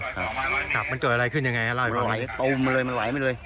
ครับครับวันเกิดอะไรขึ้นยังไงร้อยมามันไหลตัวไว้มันไหลไม่เลย